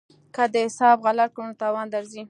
که دې حساب غلط کړ نو تاوان درځي.